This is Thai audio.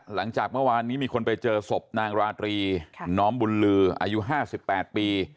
หลังจากเมื่อวานนี้มีคนไปเจอศพนางราตรีน้อมบุญลืออายุ๕๘ปี